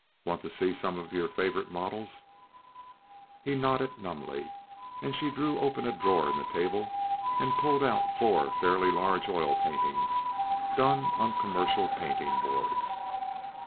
"Want to see some of your favorite models?" He nodded numbly, and she drew open a drawer in the table and pulled out four fairly large oil paintings done on commercial painting boards.